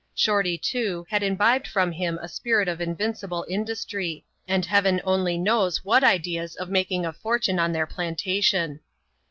Shorty, too, had imbibed from him a spirit of invincible industry ; and Heaven only knows what ideas of making a fortune on their plantation.